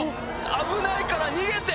危ないから逃げて！